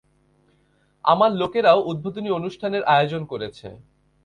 আমার লোকেরাও উদ্বোধনী অনুষ্ঠানের আয়োজন করেছে।